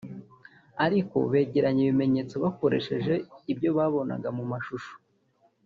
ariko begeranya ibimenyetso bakoresheje ibyo babonaga mu mashusho